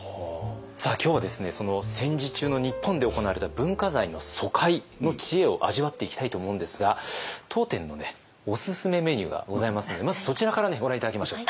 今日は戦時中の日本で行われた文化財の疎開の知恵を味わっていきたいと思うんですが当店のおすすめメニューがございますのでまずそちらからご覧頂きましょう。